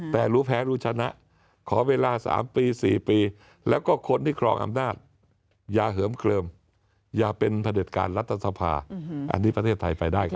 แต่รู้แพ้รู้ชนะขอเวลา๓ปี๔ปีแล้วก็คนที่ครองอำนาจอย่าเหิมเกลิมอย่าเป็นพระเด็จการรัฐสภาอันนี้ประเทศไทยไปได้ครับ